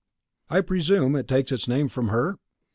"I presume it takes its name from her?"